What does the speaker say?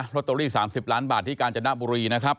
ลอตเตอรี่๓๐ล้านบาทที่กาญจนบุรีนะครับ